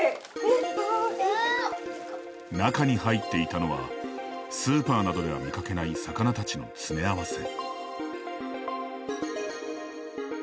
中に入っていたのはスーパーなどでは見かけない魚たちの詰め合わせ。